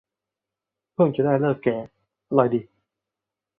เพิ่งจะได้ฤกษ์แกะ อร่อยดี